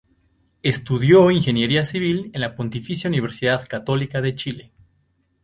Estudió ingeniería Civil en la Pontificia Universidad Católica de Chile.